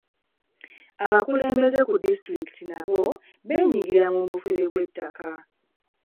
Abakulembeze ku disitulikiti nabo beenyigira mu bufere bw'ettako.